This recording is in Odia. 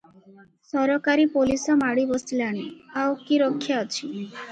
ସରକାରୀ ପୋଲିଶ ମାଡ଼ି ବସିଲାଣି, ଆଉ କି ରକ୍ଷା ଅଛି ।